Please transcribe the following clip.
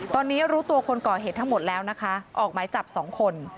ตอนนี้รู้ตัวคนก่อเหตุทั้งหมดแล้วนะคะออกหมายจับ๒คน